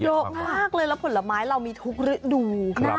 เยอะมากเลยแล้วผลไม้เรามีทุกฤดู